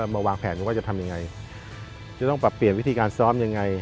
มาวางแผนว่าจะทำยังไงจะต้องปรับเปลี่ยนวิธีการซ้อมยังไง